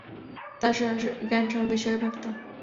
তাঁর জ্ঞান সর্ববিষয়ে ব্যাপ্ত।